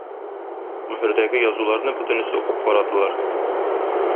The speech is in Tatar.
Мөһердәге язуларны бөтенесе укып карадылар.